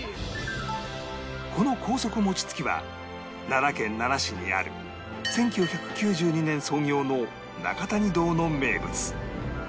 この高速餅つきは奈良県奈良市にある１９９２年創業の中谷堂の名物